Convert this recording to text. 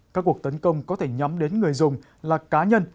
các cuộc tấn công có thể nhắm đến người dùng là cá nhân